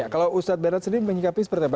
kalau ustadz bernat sendiri menyikapi seperti apa